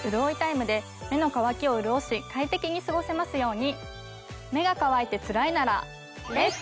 目の乾きをうるおし快適に過ごせますように。